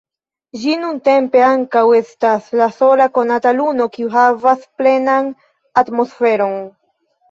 Ĝi nuntempe ankaŭ estas la sola konata luno, kiu havas plenan atmosferon.